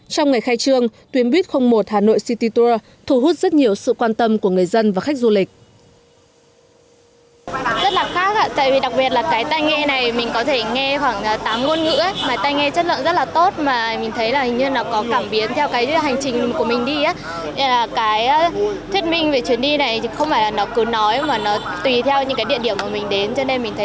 trong ngày khai trương tuyến buýt một hà nội city tour thú hút rất nhiều sự quan tâm của người dân và khách du lịch